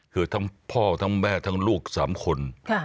คือทั้งพ่อทั้งแม่ทั้งลูก๓คน